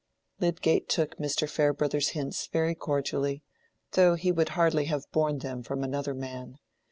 Lydgate took Mr. Farebrother's hints very cordially, though he would hardly have borne them from another man.